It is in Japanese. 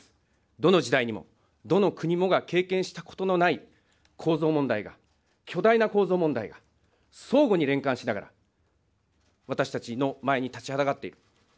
どの時代にもどの国もが経験したことのない構造問題が、巨大な構造問題が、相互に連関しながら、私たちの前に立ちはだかっている。